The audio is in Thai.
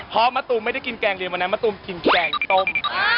เพราะมะตูมไม่ได้กินแกงเรียนวันนั้นมะตูมกินแกงต้ม